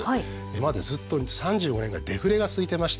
今までずっと３５年ぐらいデフレが続いてましたよね。